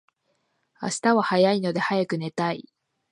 明日は早いので早く寝たい